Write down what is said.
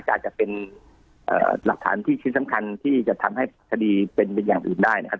อาจจะเป็นหลักฐานที่ชิ้นสำคัญที่จะทำให้คดีเป็นอย่างอื่นได้นะครับ